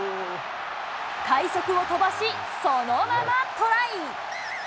快足を飛ばし、そのままトライ。